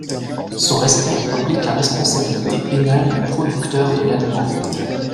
Son respect implique la responsabilité pénale du producteur de l'aliment.